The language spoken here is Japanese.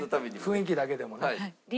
雰囲気だけでもね。